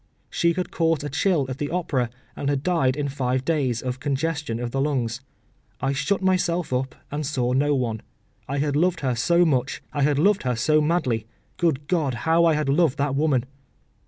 She had caught a chill at the Opera, and had died in five days of congestion of the lungs. I shut myself up and saw no one. I had loved her so much, I had loved her so madly. Good God! how I had loved that woman!